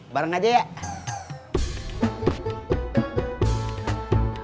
bareng aja ya